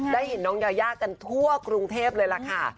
ได้เห็นน้องยายากันทั่วกรุงเทพเลยล่ะค่ะ